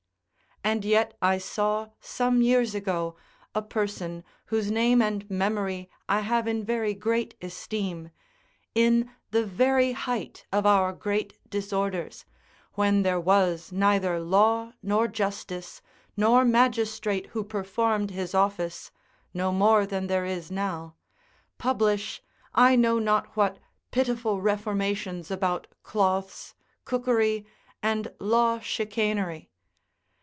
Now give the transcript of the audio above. ] And yet I saw, some years ago, a person, whose name and memory I have in very great esteem, in the very height of our great disorders, when there was neither law nor justice, nor magistrate who performed his office, no more than there is now, publish I know not what pitiful reformations about cloths, cookery, and law chicanery.